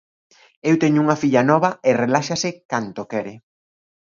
Eu teño unha filla nova e reláxase canto quere.